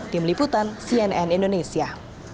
tim liputan cnn indonesia